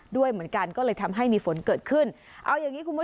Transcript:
โดยการติดต่อไปก็จะเกิดขึ้นการติดต่อไป